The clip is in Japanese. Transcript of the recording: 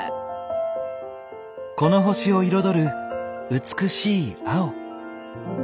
この地球を彩る美しい「青」。